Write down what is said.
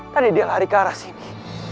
tadi dia lari ke arah sini